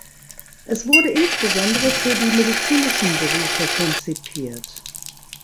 Es wurde insbesondere für die medizinischen Berufe konzipiert.